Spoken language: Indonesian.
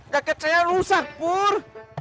paket saya rusak pur